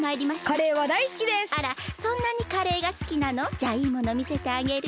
じゃあいいものみせてあげる。